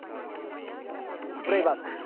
プレイバック。